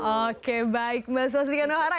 oke baik mbak swastika nuhara